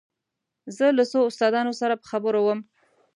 زه له څو استادانو سره په خبرو وم.